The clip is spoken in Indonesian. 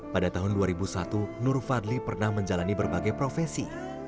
pada tahun dua ribu satu nur fadli pernah menjalani berbagai profesi